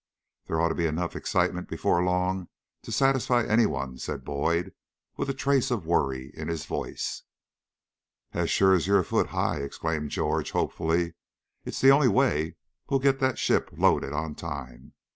There ought to be enough excitement before long to satisfy any one," said Boyd, with a trace of worry in his voice. "As sure as you're a foot high!" exclaimed George, hopefully. "It's the only way we'll get that ship loaded on time.